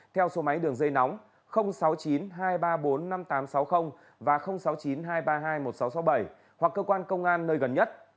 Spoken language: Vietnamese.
theo số máy đường dây nóng sáu mươi chín hai trăm ba mươi bốn năm nghìn tám trăm sáu mươi và sáu mươi chín hai trăm ba mươi hai một nghìn sáu trăm sáu mươi bảy hoặc cơ quan công an nơi gần nhất